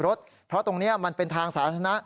หรือที่จอดรถเพราะตรงนี้มันเป็นทางสาธารณะ